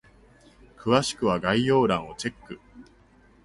詳しくは概要欄をチェック！